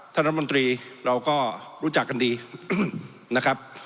ท่านรัฐมนตรีเราก็รู้จักกันดีนะครับ